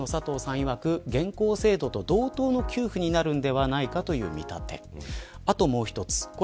いわく現行制度の同等の給付になるのではという見方。